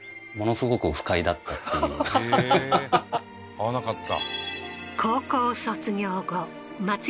合わなかった？